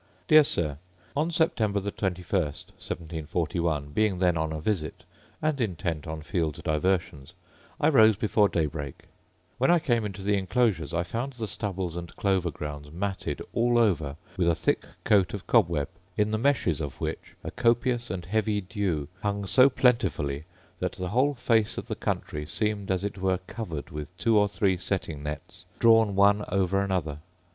Dear Sir, On September the 21st, 1741, being then on a visit, and intent on field diversions, I rose before daybreak: when I came into the enclosures, I found the stubbles and clover grounds matted all over with a thick coat of cobweb, in the meshes of which a copious and heavy dew hung so plentifully that the whole face of the country seemed, as it were, covered with two or three setting nets drawn one over another.